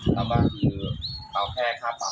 ตามประมาณคือเว้าแพร่ค่าเปล่า